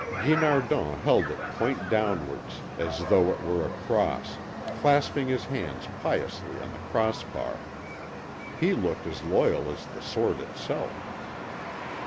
Guinardon held it point downwards, as though it were a cross, clasping his hands piously on the cross bar. He looked as loyal as the sword itself.